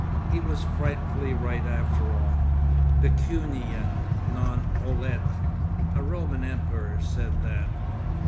He was frightfully right after all. Pecunia non olet,—a Roman emperor said that.